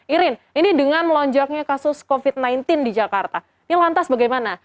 irin ini dengan melonjaknya kasus covid sembilan belas di jakarta ini lantas bagaimana